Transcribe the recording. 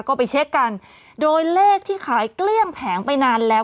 ก็ไปเช็คกันโดยเลขที่ขายเกลี้ยงแผงไปนานแล้ว